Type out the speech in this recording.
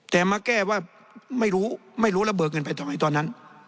แต่มาแก้ว่าไม่รู้ไม่รู้ระเบิกเงินไปทำไมตอนนั้น